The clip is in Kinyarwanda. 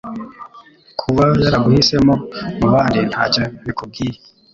kuba yaraguhisemo mu bandi ntacyo bikubwiye